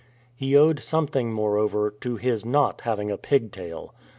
He owed something, moreover, to his 7iot having a pigtail.